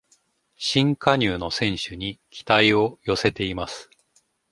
新加入の選手に期待を寄せています